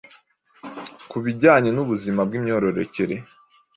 ku bijyanye n’ubuzima bw’imyororokere.